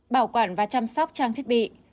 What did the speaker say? bảo quản và chăm sóc trang thiết bị